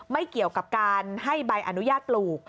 ไม่เกี่ยวกับการให้ใบอนุญาตปลูก